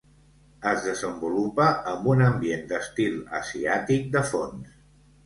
Es desenvolupa amb un ambient d'estil asiàtic de fons.